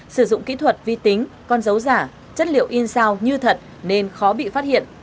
sử dụng kỹ thuật vi tính con dấu giả chất liệu in sao như thật nên khó bị phát hiện